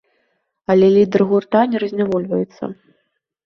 Але лідар гурта не разнявольваецца.